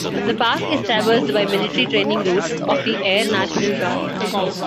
The park is traversed by military training routes of the Air National Guard.